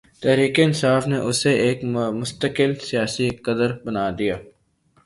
تحریک انصاف نے اسے ایک مستقل سیاسی قدر بنا دیا ہے۔